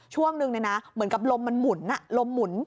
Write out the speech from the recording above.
ช่วงนึงเหมือนกับลมมันหมุนลมหมุน